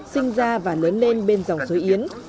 sinh ra và lớn lên bên dòng dối yến